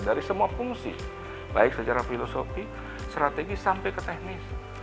dari semua fungsi baik secara filosofi strategis sampai ke teknis